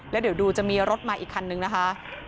แล้วเดี๋ยวดูจะมีรถมาอีกคันนึงนะคะ